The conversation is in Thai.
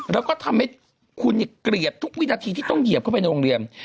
แล้วก็ทำให้คุณเกลียดทุกวินาทีที่ต้องเหยียบเข้าไปในโรงเรียน